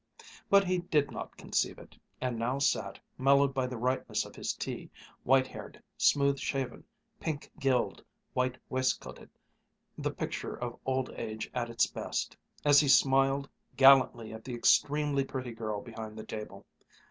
But he did not conceive of it, and now sat, mellowed by the rightness of his tea, white haired, smooth shaven, pink gilled, white waistcoated, the picture of old age at its best, as he smiled gallantly at the extremely pretty girl behind the table.